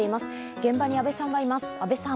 現場には阿部さんがいます、阿部さん！